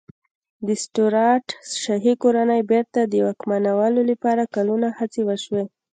د سټیوراټ شاهي کورنۍ بېرته واکمنولو لپاره کلونه هڅې وشوې.